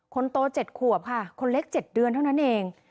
คนโต๗ขวบค่ะคนเล็ก๗เดือนเท่านั้นเอง